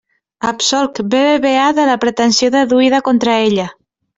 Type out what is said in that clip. Absolc BBVA de la pretensió deduïda contra ella.